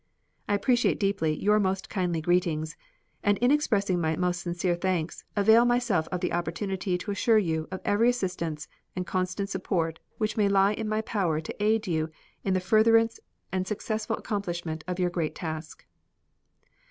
I appreciate deeply your most kindly greetings and in expressing my most sincere thanks, avail myself of the opportunity to assure you of every assistance and constant support which may lie in my power to aid you in the furtherance and successful accomplishment of your great task.